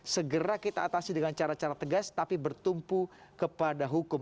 segera kita atasi dengan cara cara tegas tapi bertumpu kepada hukum